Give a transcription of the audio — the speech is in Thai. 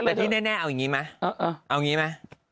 แต่ที่แน่เอาอย่างงี้มาเอาอย่างงี้มา